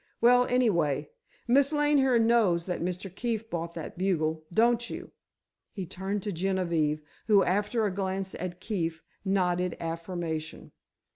Well, anyway—Miss Lane here knows that Mr. Keefe bought that bugle—don't you?" He turned to Genevieve, who, after a glance at Keefe, nodded affirmation.